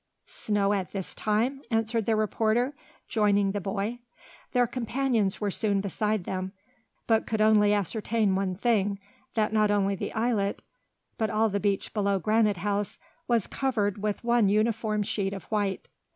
"Snow at this time?" answered the reporter, joining the boy. Their companions were soon beside them, but could only ascertain one thing, that not only the islet, but all the beach below Granite House, was covered with one uniform sheet of white.